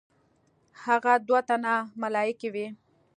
هغه دوه تنه ملایکې وې.